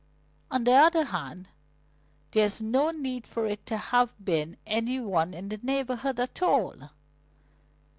"On the other hand, there's no need for it to have been any one in the neighbourhood at all.